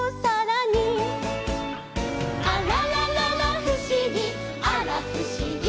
「あららららふしぎあらふしぎ」